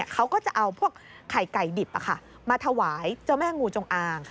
เขาก็จะเอาพวกไข่ไก่ดิบมาถวายเจ้าแม่งูจงอาง